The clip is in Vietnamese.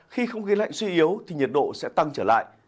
khi không khí lạnh suy yếu thì nhiệt độ sẽ tăng trở lại